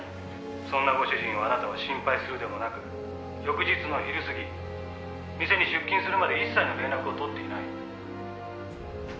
「そんなご主人をあなたは心配するでもなく翌日の昼過ぎ店に出勤するまで一切の連絡を取っていない」